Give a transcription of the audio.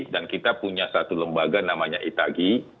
dan kita punya satu lembaga namanya itagi